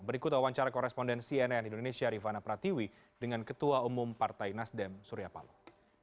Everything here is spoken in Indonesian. berikut wawancara korespondensi nn indonesia rifana pratiwi dengan ketua umum partai nasdem surya paloh